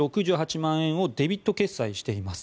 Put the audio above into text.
６８万円ですねデビット決済しています。